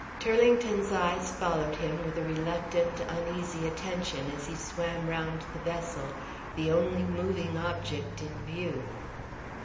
Turlington's eyes followed him with a reluctant, uneasy attention as he swam round the vessel, the only moving object in view.